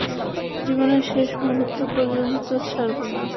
জীবনের শেষ মূহুর্ত পর্যন্ত ছাড়বো না।